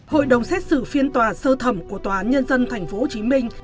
hội đồng xét xử phiên tòa sơ thẩm của tòa nhân dân tp hcm